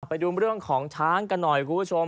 ไปดูเรื่องของช้างกันหน่อยคุณผู้ชม